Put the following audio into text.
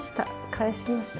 返しました。